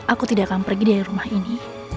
aku tidak akan pergi dari rumah ini